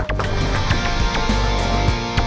terima kasih pak